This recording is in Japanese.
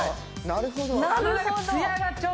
なるほど。